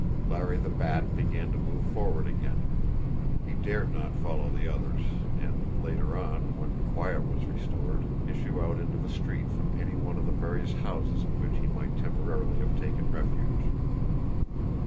Larry the Bat began to move forward again. He dared not follow the others, and, later on, when quiet was restored, issue out into the street from any one of the various houses in which he might temporarily have taken refuge.